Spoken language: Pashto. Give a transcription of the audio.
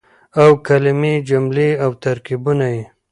او کلمې ،جملې او ترکيبونه يې